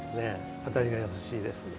当たりが優しいです。